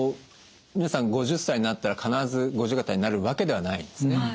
皆さん５０歳になったら必ず五十肩になるわけではないんですね。